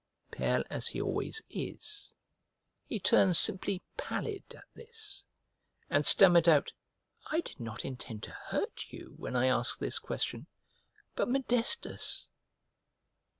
Pale as he always is, he turned simply pallid at this, and stammered out, "I did not intend to hurt you when I asked this question, but Modestus."